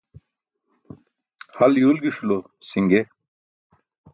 Hal yuwlġiṣulo si̇nge.